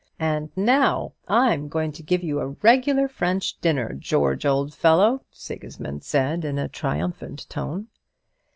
"And now I'm going to give you a regular French dinner, George, old fellow;" Sigismund said, in a triumphant tone.